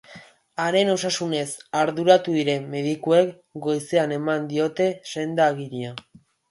Haren osasunez arduratu diren medikuek goizean eman diote senda-agiria.